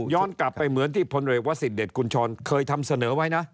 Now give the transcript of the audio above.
ย้อนกลับไปเหมือนที่พลเรศวัสดิ์เดชน์คุณช้อนเคยทำเสนอไว้นะ